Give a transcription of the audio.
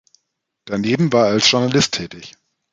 Daneben war er als Journalist tätig.